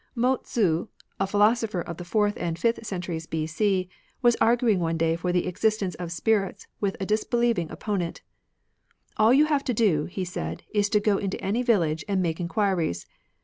. Mo Tzu, a philosopher of the fourth must and fifth centuries B.C., was arguing exist. ^^^ ^y £^j. ^j^^ existence of spirits with a disbelieving opponent. " All you have to do," he said, '' is to go into any village and make enquiries.